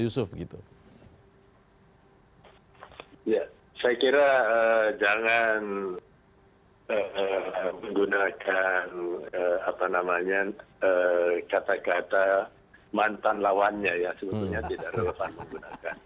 iya saya kira jangan menggunakan apa namanya kata kata mantan lawannya ya sebetulnya tidak relevan menggunakan